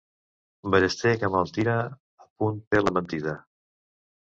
Ballester que mal tira, a punt té la mentida.